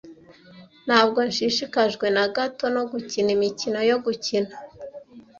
Ntabwo nshishikajwe na gato no gukina imikino yo gukina.